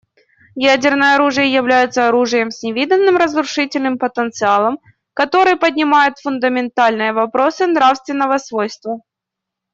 Ядерное оружие является оружием с невиданным разрушительным потенциалом, который поднимает фундаментальные вопросы нравственного свойства.